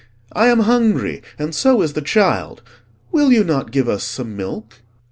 I am hungry, and so is the child. Will you not give us some milk?"